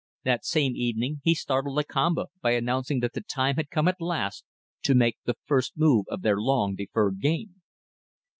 That same evening he startled Lakamba by announcing that the time had come at last to make the first move in their long deferred game.